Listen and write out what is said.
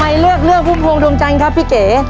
เลือกเรื่องพุ่มพวงดวงจันทร์ครับพี่เก๋